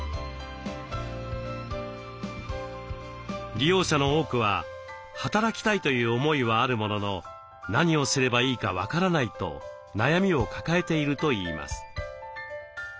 利用者の多くは働きたいという思いはあるものの何をすればいいか分からないと悩みを抱えているといいます。